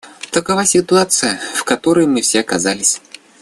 Такова ситуация, в которой мы все оказались.